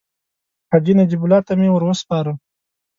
حاجي نجیب الله ته مې ورو سپاره.